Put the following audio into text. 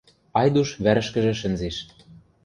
Айдуш вӓрӹшкӹжӹ шӹнзеш.